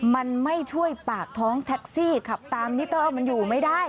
มันไม่ช่วยปากท้องแท็กซี่ขับตามมิเตอร์มันอยู่ไม่ได้